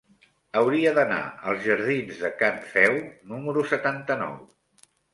Hauria d'anar als jardins de Can Feu número setanta-nou.